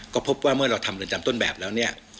ก็พบว่าเมื่อเราทำเรือนจำต้นแบบแล้วเนี่ย